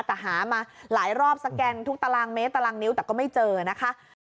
แต่หามาหลายรอบสแกนทุกตารางเมตรตารางนิ้วแต่ก็ไม่เจอนะคะ